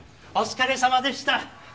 お疲れさまでした。